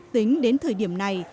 tính đến thời điểm này